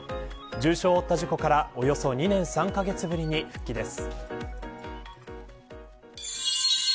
重傷を負った事故からおよそ２年３カ月ぶりに復帰です。